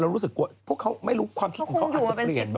รู้สึกกลัวพวกเขาไม่รู้ความคิดของเขาอาจจะเปลี่ยน